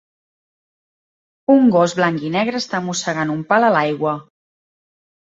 Un gos blanc i negre està mossegant un pal a l'aigua